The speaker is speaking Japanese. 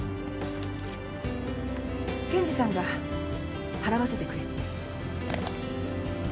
健児さんが払わせてくれって。